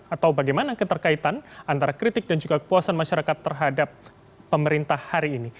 atau bagaimana keterkaitan antara kritik dan juga kepuasan masyarakat terhadap pemerintah hari ini